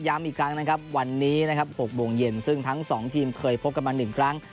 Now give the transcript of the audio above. ย้ำอีกครั้งวันนี้๖โบงเย็นซึ่งทั้ง๒ทีมเคยพบกันมา๑ครั้ง